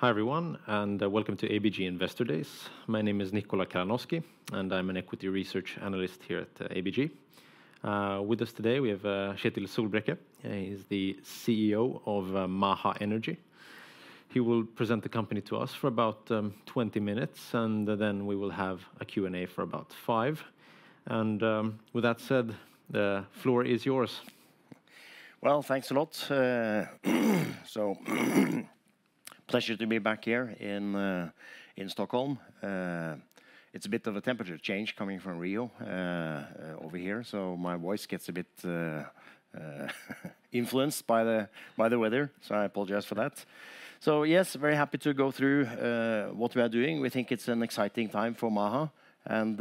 Hi, everyone, and welcome to ABG Investor Days. My name is Nikola Kalanoski, and I'm an equity research analyst here at ABG. With us today, we have Kjetil Solbraekke. He is the CEO of Maha Energy. He will present the company to us for about 20 minutes, and then we will have a Q&A for about five. With that said, the floor is yours. Well, thanks a lot. So pleasure to be back here in, Stockholm. It's a bit of a temperature change coming from Rio, over here so my voice gets a bit, influenced by the, by the weather, so I apologize for that. So yes, very happy to go through, what we are doing. We think it's an exciting time for Maha, and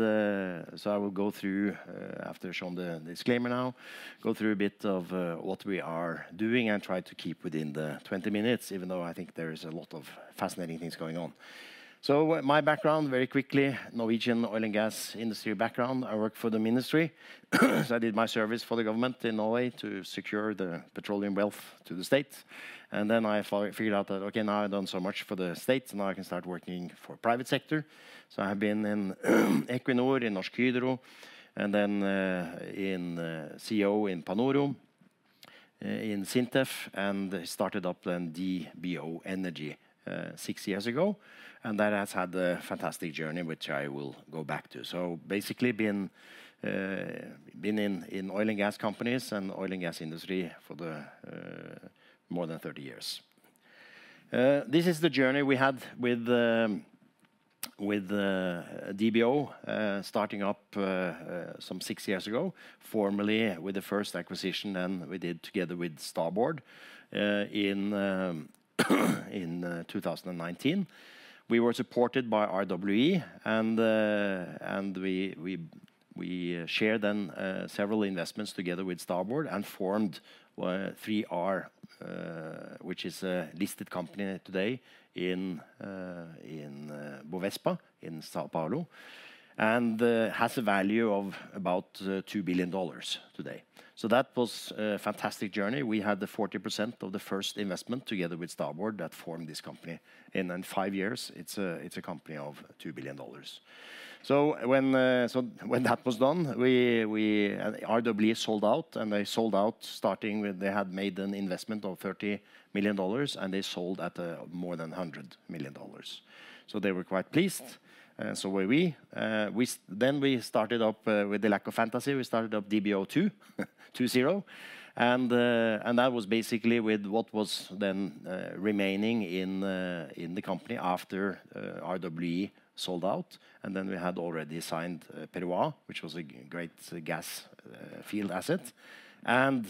so I will go through, after showing the disclaimer now, go through a bit of, what we are doing and try to keep within the 20 minutes, even though I think there is a lot of fascinating things going on. So my background, very quickly, Norwegian oil and gas industry background. I work for the ministry, so I did my service for the government in Norway to secure the petroleum wealth to the state. I figured out that, okay, now I've done so much for the state, so now I can start working for private sector. So I have been in Equinor, in Norsk Hydro, and then in CEO in Panoro, in SINTEF, and started up then DBO Energy six years ago and that has had a fantastic journey which I will go back to. So basically been in oil and gas companies and oil and gas industry for more than 30 years. This is the journey we had with DBO, starting up some six years ago, formally with the first acquisition, and we did together with Starboard in 2019. We were supported by RWE, and we shared then several investments together with Starboard and formed 3R, which is a listed company today in B3, in São Paulo, and has a value of about $2 billion today. So that was a fantastic journey. We had the 40% of the first investment together with Starboard that formed this company, and in five years, it's a company of $2 billion. So when that was done, we RWE sold out, and they sold out, starting with they had made an investment of $30 million, and they sold at more than $100 million. So they were quite pleased, so were we. We then started up with the lack of fantasy, we started up DBO 2.0. And that was basically with what was then remaining in the company after RWE sold out. And then we had already signed Peroá, which was a great gas field asset. And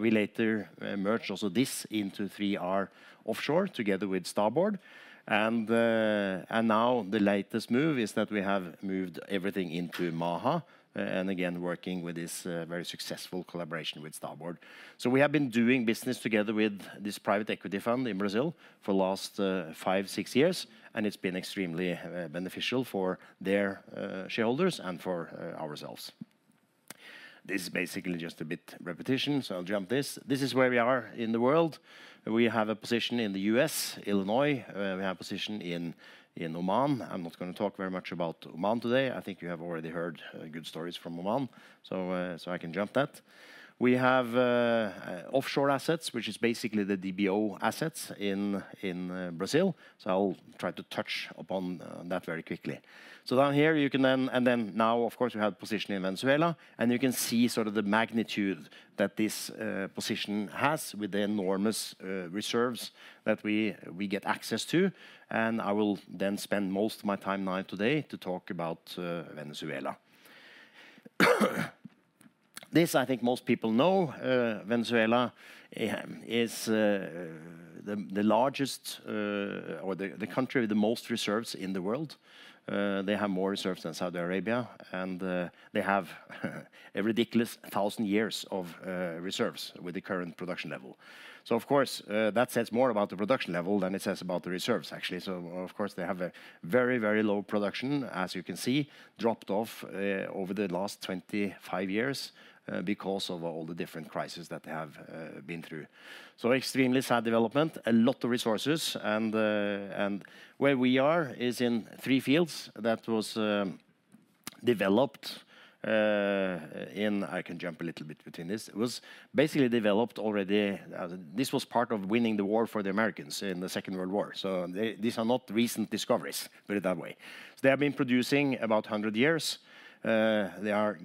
we later merged also this into 3R Offshore, together with Starboard. And now the latest move is that we have moved everything into Maha, and again, working with this very successful collaboration with Starboard. So we have been doing business together with this private equity fund in Brazil for the last five, six years, and it's been extremely beneficial for their shareholders and for ourselves. This is basically just a bit repetition, so I'll jump this. This is where we are in the world. We have a position in the U.S., Illinois. We have a position in Oman. I'm not gonna talk very much about Oman today. I think you have already heard, good stories from Oman, so, so I can jump that. We have, offshore assets, which is basically the DBO assets in, in, Brazil, so I'll try to touch upon, that very quickly. So down here you can then. And then now, of course, we have a position in Venezuela, and you can see sort of the magnitude that this, position has with the enormous, reserves that we, we get access to. And I will then spend most of my time now today to talk about, Venezuela. This, I think most people know, Venezuela is the largest, or the country with the most reserves in the world. They have more reserves than Saudi Arabia, and they have a ridiculous 1,000 years of reserves with the current production level. So of course, that says more about the production level than it says about the reserves, actually. So of course, they have a very, very low production, as you can see, dropped off over the last 25 years because of all the different crises that they have been through. So extremely sad development, a lot of resources, and where we are is in three fields that was developed in I can jump a little bit between this. It was basically developed already. This was part of winning the war for the Americans in the Second World War. So these are not recent discoveries, put it that way. They have been producing about 100 years. They are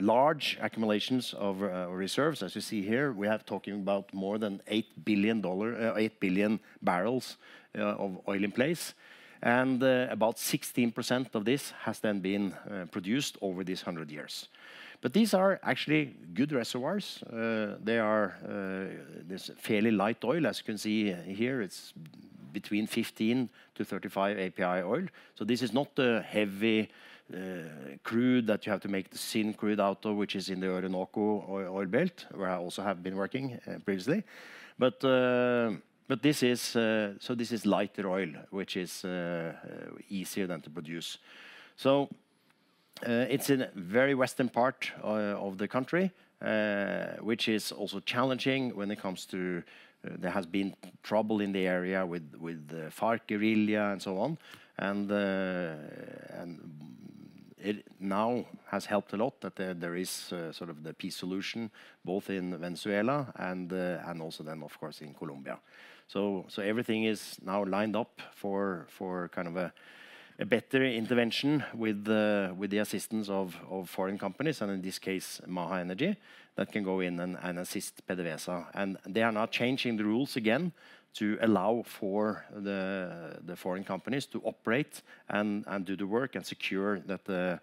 large accumulations of reserves. As you see here, we are talking about more than $8 billion, 8 billion barrels of oil in place, and about 16% of this has then been produced over these 100 years. But these are actually good reservoirs. They are this fairly light oil, as you can see here, it's between 15-35 API oil. So this is not the heavy crude that you have to make the syn crude out of, which is in the Orinoco Oil Belt, where I also have been working previously. But this is so this is lighter oil, which is easier than to produce. It's in a very western part of the country, which is also challenging when it comes to. There has been trouble in the area with the FARC guerrilla and so on. And it now has helped a lot that there is sort of the peace solution, both in Venezuela and also then, of course, in Colombia. So everything is now lined up for kind of a better intervention with the assistance of foreign companies, and in this case, Maha Energy, that can go in and assist PDVSA. And they are now changing the rules again to allow for the foreign companies to operate and do the work, and secure that the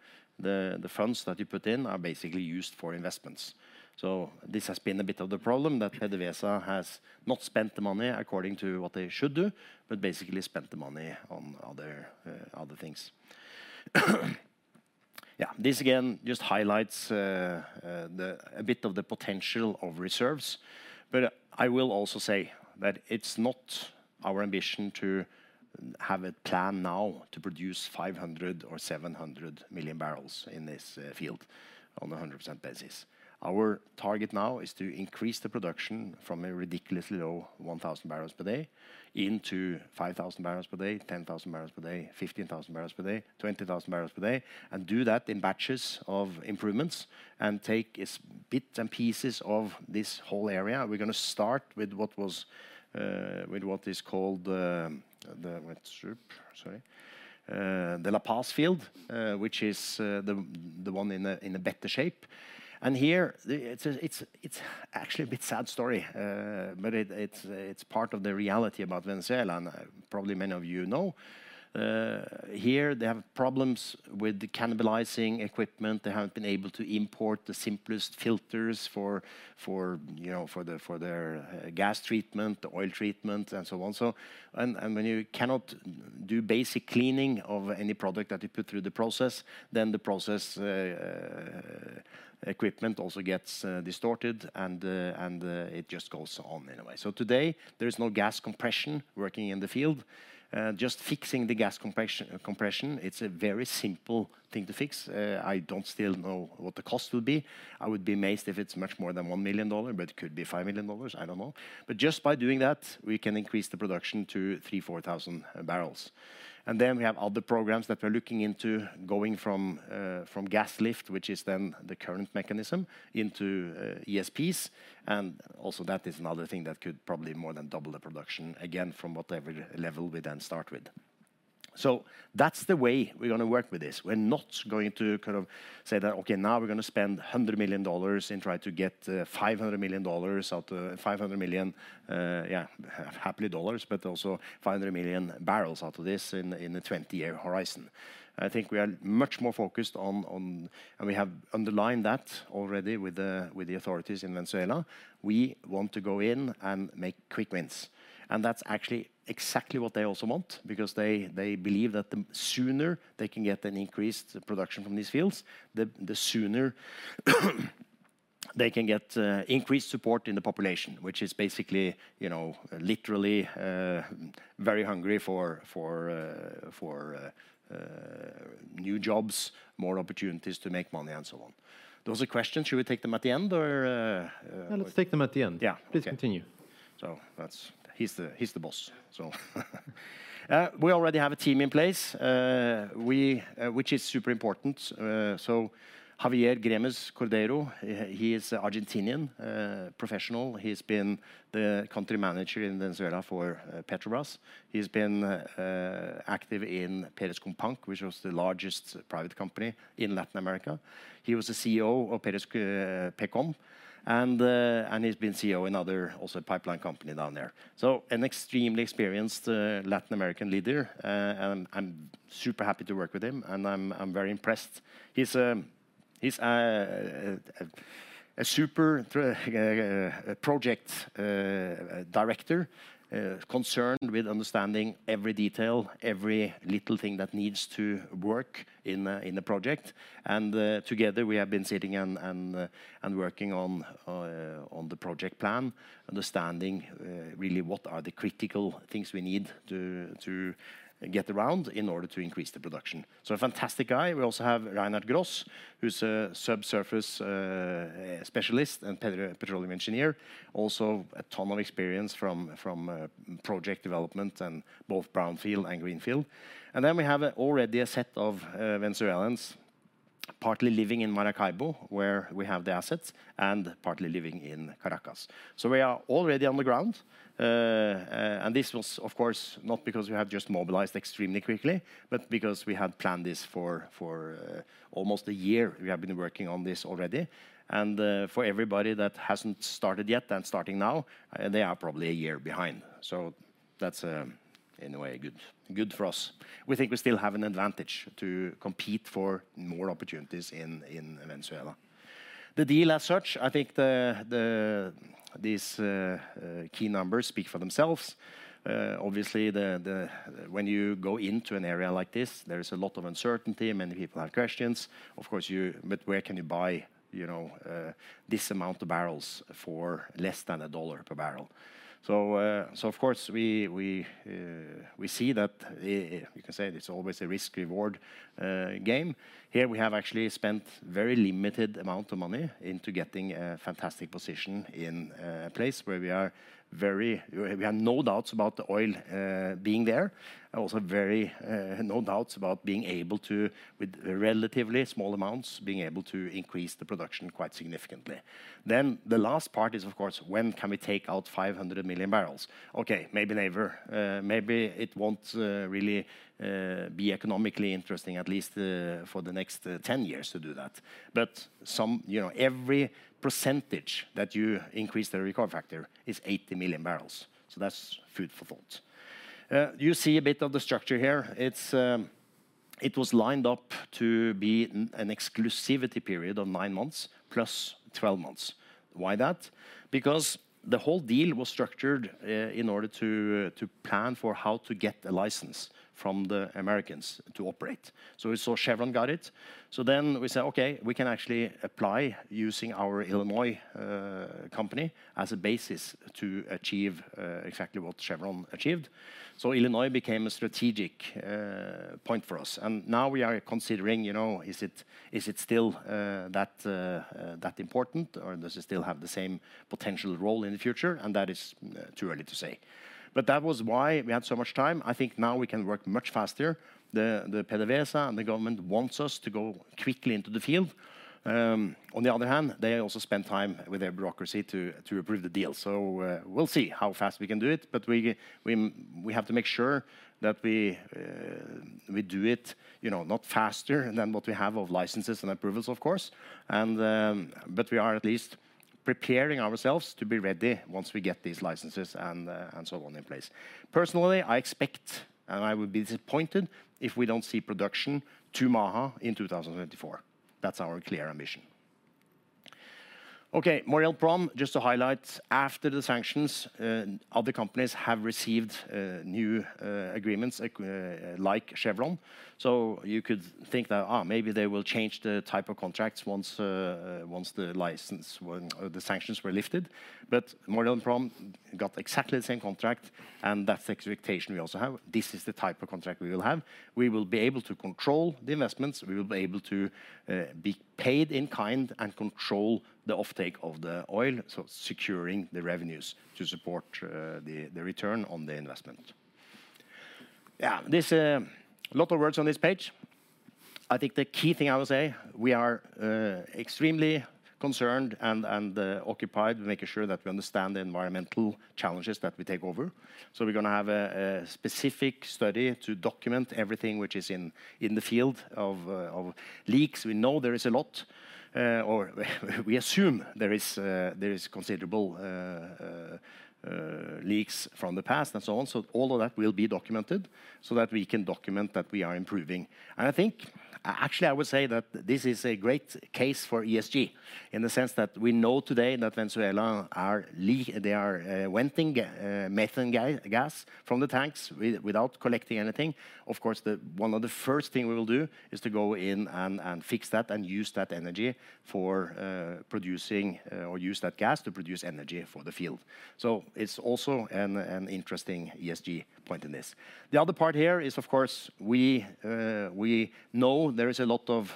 funds that you put in are basically used for investments. So this has been a bit of the problem, that PDVSA has not spent the money according to what they should do, but basically spent the money on other, other things. Yeah, this again, just highlights, the, a bit of the potential of reserves. But I will also say that it's not our ambition to have a plan now to produce 500 or 700 million barrels in this, field on a 100 percent basis. Our target now is to increase the production from a ridiculously low 1,000 barrels per day into 5,000 barrels per day, 10,000 barrels per day, 15,000 barrels per day, 20,000 barrels per day, and do that in batches of improvements, and take its bits and pieces of this whole area. We're gonna start with what was with what is called. Sorry, the La Paz field, which is the one in a better shape. And here, it's actually a bit sad story. But it's part of the reality about Venezuela, and probably many of you know. Here they have problems with the cannibalizing equipment. They haven't been able to import the simplest filters for, you know, for their gas treatment, oil treatment, and so on. So when you cannot do basic cleaning of any product that you put through the process, then the process equipment also gets distorted, and it just goes on anyway. So today there is no gas compression working in the field. Just fixing the gas compression, it's a very simple thing to fix. I don't still know what the cost will be. I would be amazed if it's much more than $1 million, but it could be $5 million, I don't know. But just by doing that, we can increase the production to 3,000-4,000 barrels. And then we have other programs that we're looking into going from gas lift, which is the current mechanism, into ESPs. And also that is another thing that could probably more than double the production, again, from whatever level we then start with. So that's the way we're gonna work with this. We're not going to kind of say that, "Okay, now we're gonna spend $100 million and try to get $500 million out of $500 million. Yeah, but also 500 million barrels out of this in the 20-year horizon." I think we are much more focused on. We have underlined that already with the authorities in Venezuela, we want to go in and make quick wins. That's actually exactly what they also want, because they believe that the sooner they can get an increased production from these fields, the sooner they can get increased support in the population, which is basically, you know, literally very hungry for new jobs, more opportunities to make money, and so on. Those are questions. Should we take them at the end, or? Let's take them at the end. Yeah, okay. Please continue. So that's. He's the, he's the boss. So we already have a team in place, we, which is super important. So Javier Gremes Cordero, he is Argentinian professional. He's been the country manager in Venezuela for Petrobras. He's been active in Perez Companc, which was the largest private company in Latin America. He was the CEO of Perez, Pecom, and he's been CEO in other, also, pipeline company down there. So an extremely experienced Latin American leader. And I'm super happy to work with him, and I'm very impressed. He's a super project director concerned with understanding every detail, every little thing that needs to work in a project. And, together, we have been sitting and working on the project plan, understanding really what are the critical things we need to get around in order to increase the production. So a fantastic guy. We also have Reinhard Gross, who's a subsurface specialist and petroleum engineer. Also, a ton of experience from project development in both brownfield and greenfield. And then we have already a set of Venezuelans, partly living in Maracaibo, where we have the assets, and partly living in Caracas. So we are already on the ground. And this was, of course, not because we have just mobilized extremely quickly, but because we had planned this for almost a year, we have been working on this already. For everybody that hasn't started yet and starting now, they are probably a year behind. So that's, in a way, good, good for us. We think we still have an advantage to compete for more opportunities in Venezuela. The deal as such, I think the these key numbers speak for themselves. Obviously, when you go into an area like this, there is a lot of uncertainty, many people have questions. Of course, but where can you buy, you know, this amount of barrels for less than $1 per barrel? So, so of course, we see that, you can say it's always a risk-reward game. Here, we have actually spent very limited amount of money into getting a fantastic position in, a place where we are very, we have no doubts about the oil, being there, and also very, no doubts about being able to, with relatively small amounts, being able to increase the production quite significantly. Then, the last part is, of course, when can we take out 500 million barrels? Okay, maybe never. Maybe it won't, really, be economically interesting, at least, for the next, 10 years to do that. But some. You know, every percentage that you increase the recovery factor is 80 million barrels, so that's food for thought. You see a bit of the structure here. It's, it was lined up to be an exclusivity period of nine months +12 months. Why that? Because the whole deal was structured in order to plan for how to get a license from the Americans to operate. So we saw Chevron got it, so then we said, "Okay, we can actually apply using our Illinois company as a basis to achieve exactly what Chevron achieved." So Illinois became a strategic point for us, and now we are considering, you know, is it still that important, or does it still have the same potential role in the future? And that is too early to say. But that was why we had so much time. I think now we can work much faster. The PDVSA and the government wants us to go quickly into the field. On the other hand, they also spend time with their bureaucracy to approve the deal. So, we'll see how fast we can do it, but we have to make sure that we do it, you know, not faster than what we have of licenses and approvals, of course. But we are at least preparing ourselves to be ready once we get these licenses and so on in place. Personally, I expect, and I would be disappointed if we don't see production to Maha in 2024. That's our clear ambition. Okay, Maurel & Prom, just to highlight, after the sanctions, other companies have received new agreements like Chevron. So you could think that, "Oh, maybe they will change the type of contracts once the license, when the sanctions were lifted." But Maurel & Prom got exactly the same contract, and that's the expectation we also have. This is the type of contract we will have. We will be able to control the investments. We will be able to be paid in kind and control the offtake of the oil, so securing the revenues to support the return on the investment. Yeah, there's a lot of words on this page. I think the key thing I would say, we are extremely concerned and occupied with making sure that we understand the environmental challenges that we take over. So we're gonna have a specific study to document everything which is in the field of leaks. We know there is a lot, or we assume there is considerable leaks from the past and so on. So all of that will be documented so that we can document that we are improving. I think, actually, I would say that this is a great case for ESG, in the sense that we know today that Venezuela are they are venting methane gas from the tanks without collecting anything. Of course, one of the first thing we will do is to go in and fix that, and use that energy for producing or use that gas to produce energy for the field. So it's also an interesting ESG point in this. The other part here is, of course, we know there is a lot of.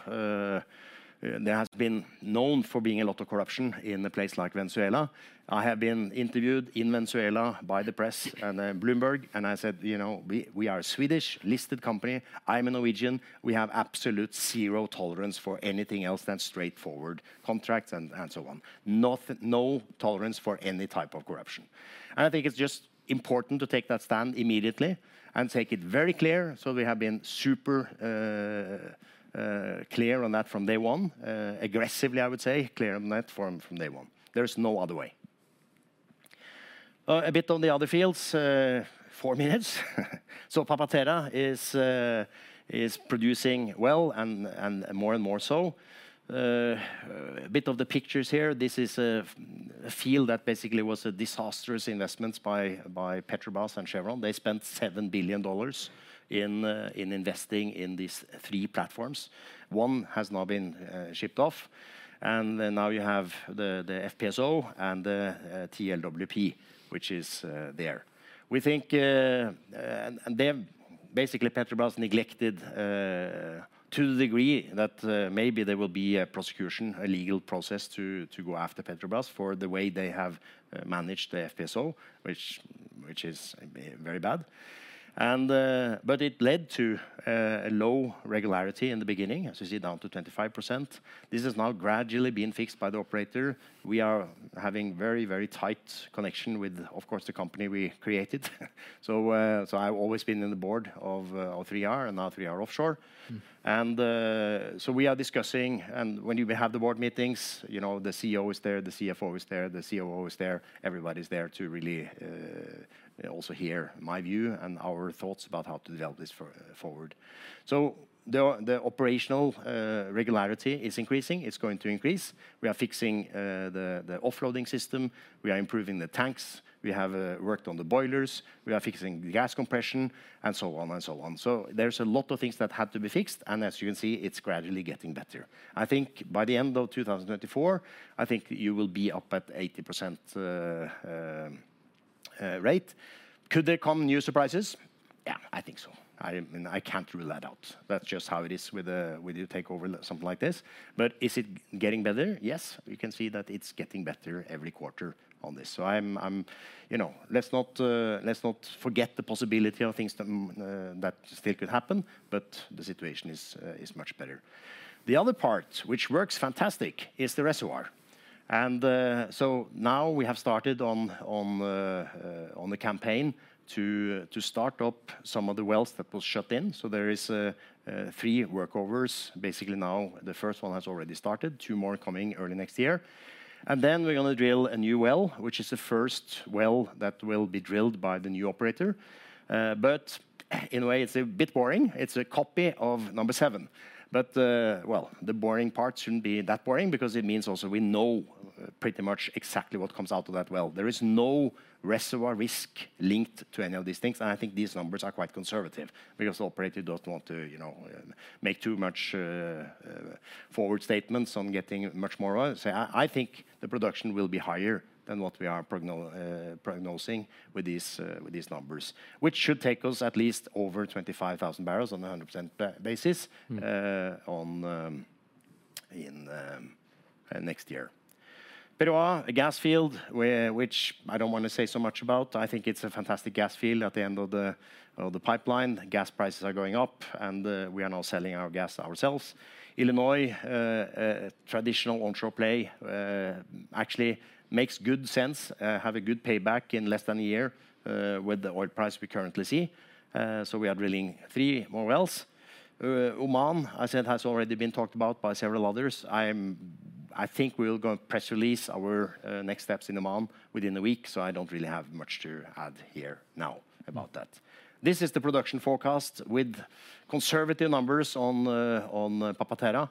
There has been known for being a lot of corruption in a place like Venezuela. I have been interviewed in Venezuela by the press and Bloomberg, and I said, "You know, we are a Swedish-listed company. I'm a Norwegian. We have absolute zero tolerance for anything else than straightforward contracts and, and so on. Nothing no tolerance for any type of corruption." I think it's just important to take that stand immediately and take it very clear, so we have been super clear on that from day one. Aggressively, I would say, clear on that from day one. There is no other way. A bit on the other fields, four minutes. So Papaterra is producing well, and more and more so. A bit of the pictures here, this is a field that basically was a disastrous investments by Petrobras and Chevron. They spent $7 billion in investing in these three platforms. One has now been shipped off, and then now you have the FPSO and the TLWP, which is there. We think and they've basically Petrobras neglected to the degree that maybe there will be a prosecution, a legal process to go after Petrobras for the way they have managed the FPSO, which is very bad. But it led to a low regularity in the beginning, as you see, down to 25%. This is now gradually being fixed by the operator. We are having very, very tight connection with, of course, the company we created. So I've always been in the board of 3R and now 3R Offshore. We are discussing, and when you have the board meetings, you know, the CEO is there, the CFO is there, the COO is there. Everybody is there to really also hear my view and our thoughts about how to develop this forward. So the operational regularity is increasing. It's going to increase. We are fixing the offloading system. We are improving the tanks. We have worked on the boilers. We are fixing the gas compression, and so on and so on. So there's a lot of things that had to be fixed, and as you can see, it's gradually getting better. I think by the end of 2024, I think you will be up at 80% rate. Could there come new surprises? Yeah, I think so. I mean I can't rule that out. That's just how it is with a takeover, something like this. But is it getting better? Yes, we can see that it's getting better every quarter on this. So I'm, you know, let's not forget the possibility of things that still could happen, but the situation is much better. The other part, which works fantastic is the reservoir. And so now we have started on the campaign to start up some of the wells that were shut in. So there is three workovers basically now. The first one has already started, two more coming early next year. And then we're gonna drill a new well, which is the first well that will be drilled by the new operator. But in a way, it's a bit boring. It's a copy of number seven. But, well, the boring part shouldn't be that boring because it means also we know pretty much exactly what comes out of that well. There is no reservoir risk linked to any of these things, and I think these numbers are quite conservative because the operator doesn't want to, you know, make too much, forward statements on getting much more oil. So I, I think the production will be higher than what we are prognosing with these, with these numbers, which should take us at least over 25,000 barrels on a 100% basis. Mm On, in next year. Peroá, a gas field, which I don't wanna say so much about, I think it's a fantastic gas field at the end of the pipeline. Gas prices are going up, and we are now selling our gas ourselves. Illinois, traditional onshore play, actually makes good sense, have a good payback in less than a year, with the oil price we currently see. So we are drilling three more wells. Oman, I said, has already been talked about by several others. I think we'll go and press release our next steps in Oman within the week, so I don't really have much to add here now about that. This is the production forecast with conservative numbers on Papaterra,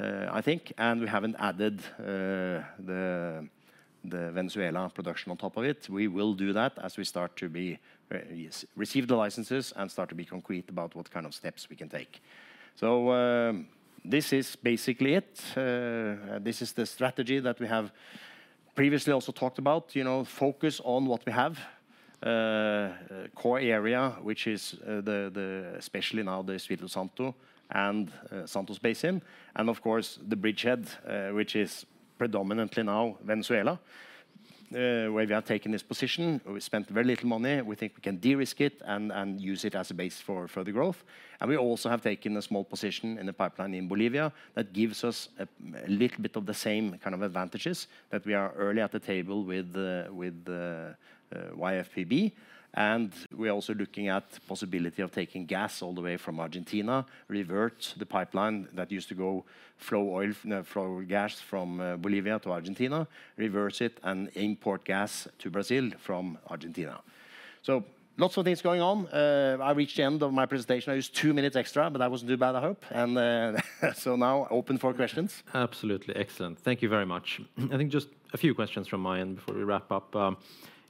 I think, and we haven't added the Venezuela production on top of it. We will do that as we start to receive the licenses and start to be concrete about what kind of steps we can take. So, this is basically it. This is the strategy that we have previously also talked about, you know, focus on what we have. Core area, which is the Espírito Santo and Santos Basin, and of course, the bridgehead, which is predominantly now Venezuela, where we have taken this position. We spent very little money. We think we can de-risk it and use it as a base for the growth. We also have taken a small position in the pipeline in Bolivia that gives us a little bit of the same kind of advantages, that we are early at the table with the YPFB. We're also looking at possibility of taking gas all the way from Argentina, revert the pipeline that used to go flow oil, flow gas from Bolivia to Argentina, reverse it, and import gas to Brazil from Argentina. So lots of things going on. I reached the end of my presentation. I used two minutes extra, but that wasn't too bad I hope. So now open for questions. Absolutely, excellent. Thank you very much. I think just a few questions from my end before we wrap up. You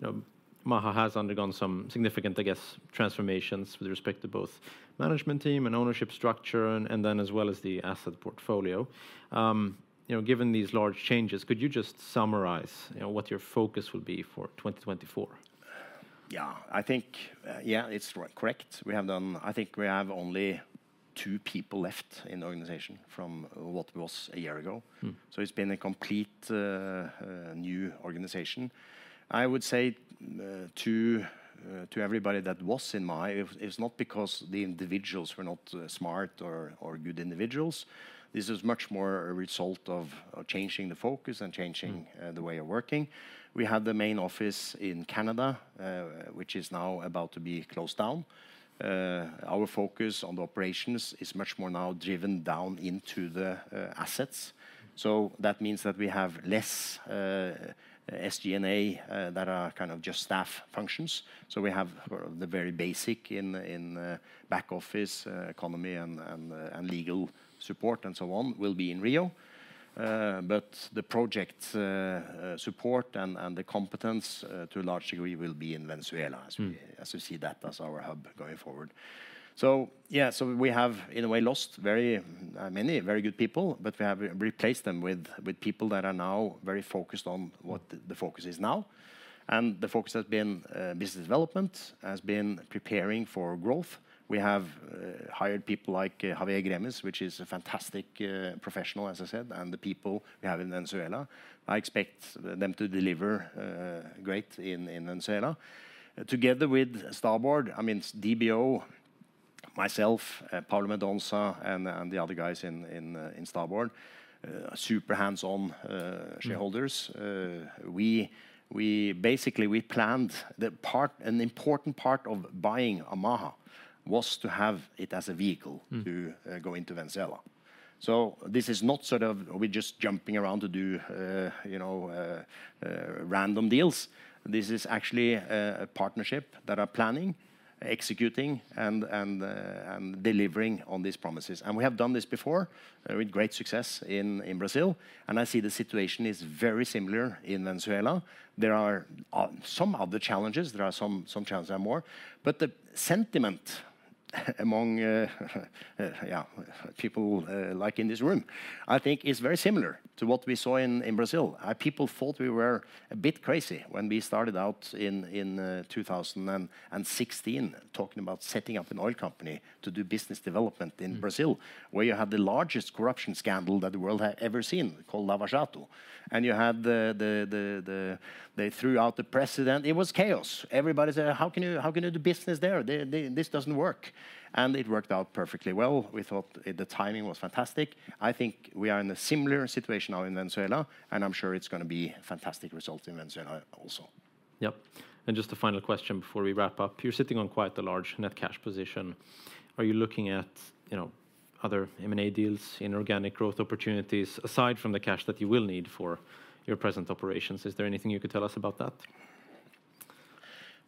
know, Maha has undergone some significant, I guess, transformations with respect to both management team and ownership structure and, and then as well as the asset portfolio. You know, given these large changes, could you just summarize, you know, what your focus will be for 2024? Yeah. I think, yeah, it's correct. We have done I think we have only two people left in the organization from what was a year ago. Mm. So it's been a complete new organization. I would say to everybody that was in my. It's not because the individuals were not smart or good individuals. This is much more a result of changing the focus and changing. Mm The way of working. We had the main office in Canada, which is now about to be closed down. Our focus on the operations is much more now driven down into the assets. So that means that we have less SG&A that are kind of just staff functions. So we have the very basic in the back office, economy and legal support, and so on, will be in Rio. But the project support and the competence to a large degree will be in Venezuela. Mm As we see that as our hub going forward. So yeah, so we have, in a way, lost very many very good people, but we have replaced them with people that are now very focused on what the focus is now. And the focus has been business development, has been preparing for growth. We have hired people like Javier Gremes, which is a fantastic professional, as I said, and the people we have in Venezuela. I expect them to deliver great in Venezuela. Together with Starboard, I mean, DBO, myself, Paulo Mendonça, and the other guys in Starboard, super hands-on shareholders. Mm. Basically, we planned the part. An important part of buying Maha was to have it as a vehicle Mm To go into Venezuela. So this is not sort of we're just jumping around to do, you know, random deals. This is actually a partnership that are planning, executing, and, and, and delivering on these promises. And we have done this before with great success in Brazil, and I see the situation is very similar in Venezuela. There are some of the challenges, there are some challenges are more, but the sentiment among. Yeah, people like in this room, I think it's very similar to what we saw in Brazil. People thought we were a bit crazy when we started out in 2016, talking about setting up an oil company to do business development in Brazil, where you had the largest corruption scandal that the world had ever seen, called Lava Jato. And you had the they threw out the president. It was chaos. Everybody said, "How can you, how can you do business there? This doesn't work." And it worked out perfectly well. We thought the timing was fantastic. I think we are in a similar situation now in Venezuela, and I'm sure it's gonna be fantastic result in Venezuela also. Yep. And just a final question before we wrap up. You're sitting on quite a large net cash position. Are you looking at, you know, other M&A deals, inorganic growth opportunities, aside from the cash that you will need for your present operations? Is there anything you could tell us about that?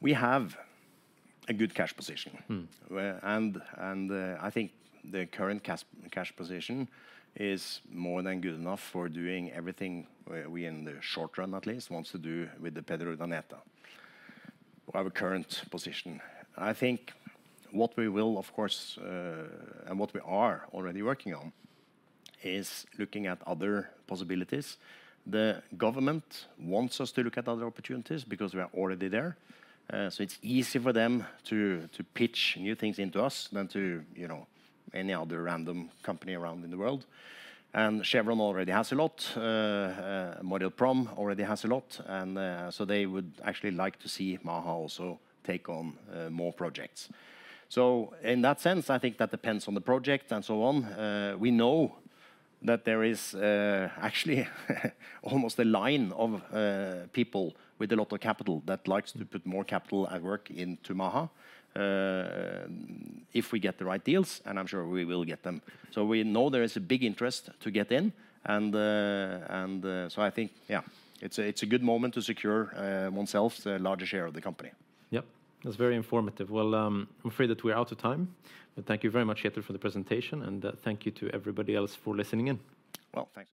We have a good cash position. Hmm. I think the current cash position is more than good enough for doing everything we in the short run at least wants to do with the Petrourdaneta, our current position. I think what we will, of course, and what we are already working on, is looking at other possibilities. The government wants us to look at other opportunities because we are already there. So it's easy for them to pitch new things into us than to, you know, any other random company around in the world. And Chevron already has a lot, Maurel & Prom already has a lot, and so they would actually like to see Maha also take on more projects. So in that sense, I think that depends on the project, and so on. We know that there is actually almost a line of people with a lot of capital that likes to put more capital at work into Maha, if we get the right deals, and I'm sure we will get them. So we know there is a big interest to get in, and so I think, yeah, it's a good moment to secure oneself the larger share of the company. Yep. That's very informative. Well, I'm afraid that we're out of time, but thank you very much, Petter, for the presentation, and thank you to everybody else for listening in. Well, thank you.